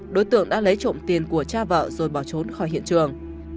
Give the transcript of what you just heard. đối tượng đã lấy trộm tiền của cha vợ rồi bỏ trốn khỏi hiện trường